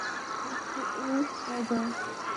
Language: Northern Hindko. اُس دی اے وجہ اے۔